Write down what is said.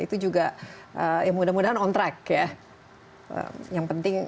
itu juga mudah mudahan on track ya